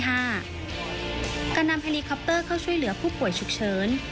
การนำเฮลีคอปเตอร์เข้าช่วยเหลือผู้ป่วยฉุกเฉิน